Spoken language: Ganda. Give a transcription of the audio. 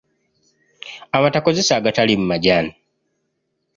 Amata kozesa agataliimu majaani.